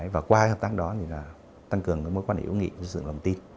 và qua hợp tác đó thì tăng cường mối quan hệ ưu nghị dựng lòng tin